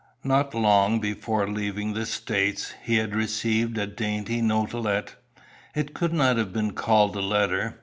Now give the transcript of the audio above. Not long before leaving the "States," he had received a dainty notelet. It could not have been called a letter.